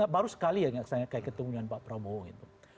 baru sekali ya saya ketemu dengan pak prabowo